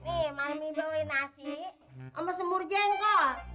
nih mami bawain nasi sama semur jengkol